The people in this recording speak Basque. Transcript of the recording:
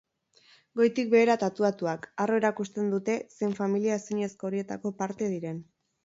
Goitik behera tatuatuak, harro erakusten dute zein familia ezinezko horietako parte diren.